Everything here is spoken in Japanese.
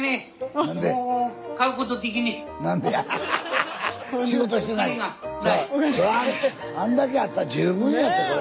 あんだけあったら十分やってこれ。